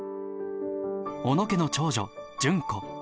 小野家の長女純子。